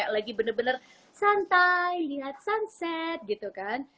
lagi bener bener santai lihat sunset gitu kan